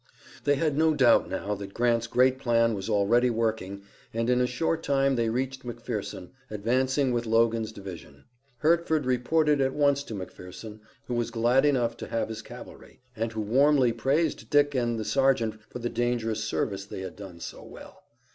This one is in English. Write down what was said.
They had no doubt now that Grant's great plan was already working and in a short time they reached McPherson, advancing with Logan's division. Hertford reported at once to McPherson, who was glad enough to have his cavalry, and who warmly praised Dick and the sergeant for the dangerous service they had done so well.